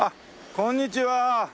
こんにちは。